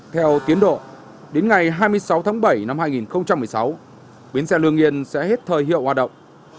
theo tiến độ đến ngày hai mươi sáu tháng bảy năm hai nghìn một mươi sáu bến xe lương yên sẽ hết thời hiệu hoạt động